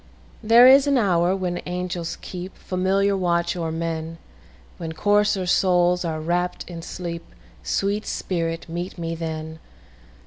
There is an hour when angels keepFamiliar watch o'er men, When coarser souls are wrapp'd in sleep—Sweet spirit, meet me then!